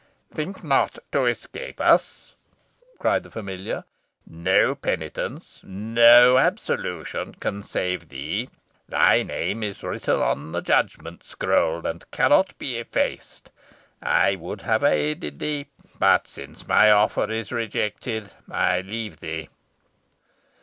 "Think not to escape us," cried the familiar; "no penitence no absolution can save thee. Thy name is written on the judgment scroll, and cannot be effaced. I would have aided thee, but, since my offer is rejected, I leave thee."